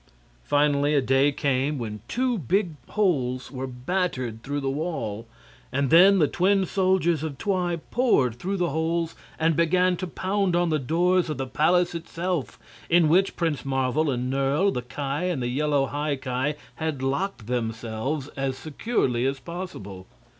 Finally a day came when two big holes were battered through the wall, and then the twin soldiers of Twi poured through the holes and began to pound on the doors of the palace itself, in which Prince Marvel and Nerle, the Ki and the yellow High Ki had locked themselves as securely as possible.